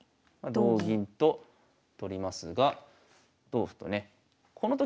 同銀と取りますが同歩とね。